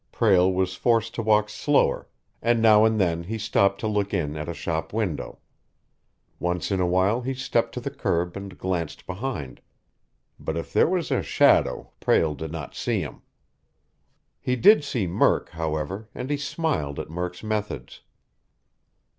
Prale was forced to walk slower, and now and then he stopped to look in at a shop window. Once in a while he stepped to the curb and glanced behind. But if there was a "shadow" Prale did not see him. He did see Murk, however, and he smiled at Murk's methods.